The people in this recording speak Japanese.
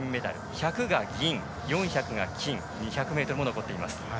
１００が銀、４００が金２００ｍも残っています。